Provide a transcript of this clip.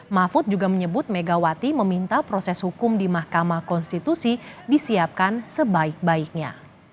mahfud juga menyebut megawati meminta proses hukum di mahkamah konstitusi disiapkan sebaik baiknya